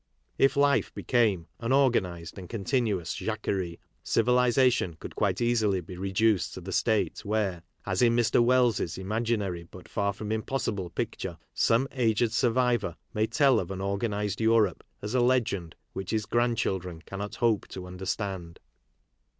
If life became an organized and continuous jacquerie, civilization could quite easily be reduced to the state where, as in Mr. •Wells's imaginary but far from impossible picture, some aged survivor may tell of an organized Europe as a legend which his grandchildren cannot hope to under stand.